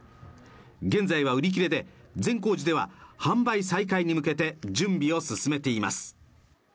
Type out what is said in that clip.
現在は売り切れで、善光寺では販売再開に向けて準備を進めています。